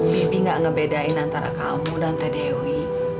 bibi enggak ngebedain antara kamu dan tadewi